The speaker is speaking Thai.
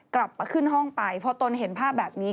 กลับขึ้นห้องไปพอตนเห็นภาพแบบนี้